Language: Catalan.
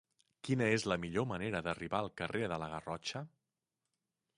Quina és la millor manera d'arribar al carrer de la Garrotxa?